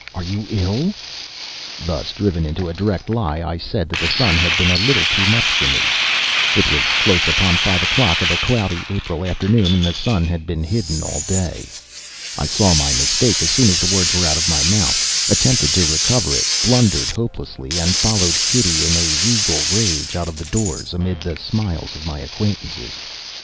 Are you ill?" Thus driven into a direct lie, I said that the sun had been a little too much for me. It was close upon five o'clock of a cloudy April afternoon, and the sun had been hidden all day. I saw my mistake as soon as the words were out of my mouth: attempted to recover it; blundered hopelessly and followed Kitty in a regal rage, out of doors, amid the smiles of my acquaintances.